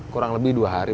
kurang lebih dua hari